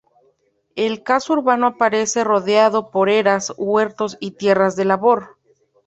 El casco urbano aparece rodeado por eras, huertos y tierras de labor.